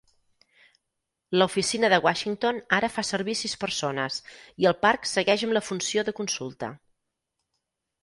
La oficina de Washington ara fa servir sis persones i el parc segueix amb la funció de consulta.